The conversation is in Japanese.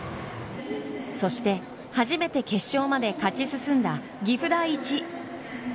そして初めて決勝まで勝ち進んだ岐阜第一。